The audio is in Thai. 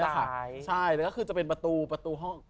แต่ก็คือจะเป็นประตูห้อง